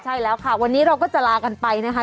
ใช่แล้วค่ะวันนี้เราก็จะลากันไปนะคะ